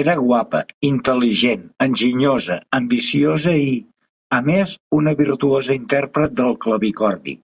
Era guapa, intel·ligent, enginyosa, ambiciosa i, a més una virtuosa intèrpret del clavicordi.